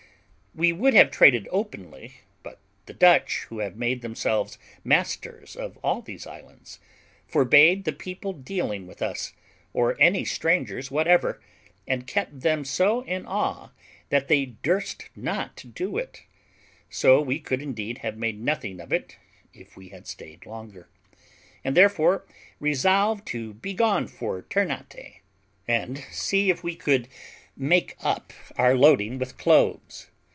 We would have traded openly, but the Dutch, who have made themselves masters of all those islands, forbade the people dealing with us, or any strangers whatever, and kept them so in awe that they durst not do it; so we could indeed have made nothing of it if we had stayed longer, and therefore resolved to be gone for Ternate, and see if we could make up our loading with cloves.